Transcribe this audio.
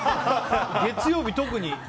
月曜日、特に。